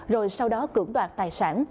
rồi sau đó cử đoạt tài sản